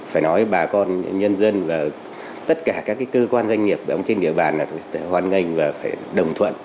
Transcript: phải nói bà con nhân dân và tất cả các cơ quan doanh nghiệp công ty địa bàn là phải hoan nghênh và phải đồng thuận